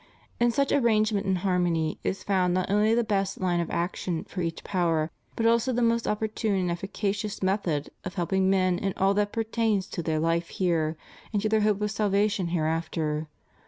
In such arrangement and harmony is found not only the best line of action for each power, but also the most opportune and effica cious method of helping men in all that pertains to their life here, and to their hope of salvation hereafter.